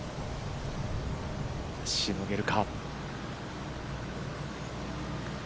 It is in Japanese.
しのげるか。